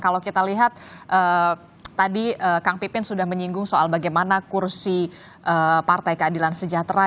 kalau kita lihat tadi kang pipin sudah menyinggung soal bagaimana kursi partai keadilan sejahtera